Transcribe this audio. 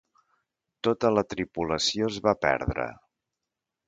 Tota la tripulació es va perdre.